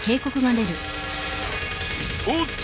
おっと！